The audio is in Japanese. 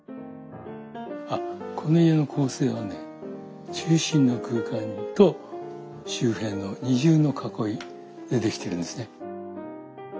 あこの家の構成はね中心の空間と周辺の二重の囲いで出来てるんですね。